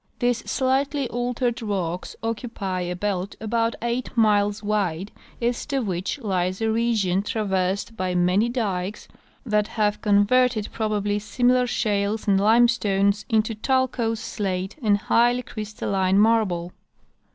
These slightly altered rocks occupy a belt about eight miles wide, east of which lies a region traversed by many dikes that have converted probably similar shales and limestones into talcose slate and highly crystalline marble.